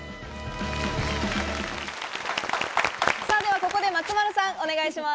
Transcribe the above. ここで松丸さんお願いします。